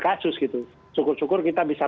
kasus gitu syukur syukur kita bisa